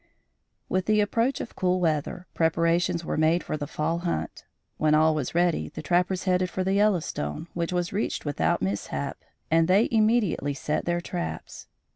With the approach of cool weather, preparations were made for the fall hunt. When all was ready, the trappers headed for the Yellowstone, which was reached without mishap, and they immediately set their traps.